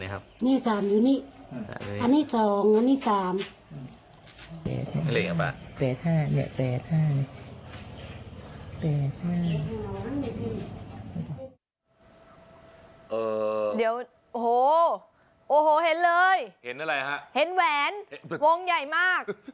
เห็นแหวนวงใหญ่มาก